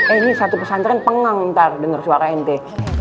eh ini satu pesantren pengang ntar denger suara ente